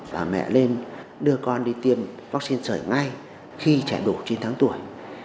bà mẹ lên đưa con đi tiêm vắc xin sởi ngay khi trẻ đủ chín tháng tuổi